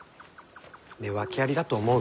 ねえ訳ありだと思う？